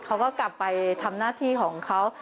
เขาก็กลับไปทำหน้าที่ของเขา